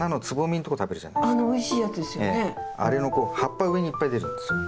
あれのこう葉っぱ上にいっぱい出るんですよ。